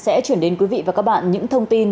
sẽ chuyển đến quý vị và các bạn những thông tin